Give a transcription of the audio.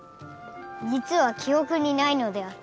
実は記憶にないのである。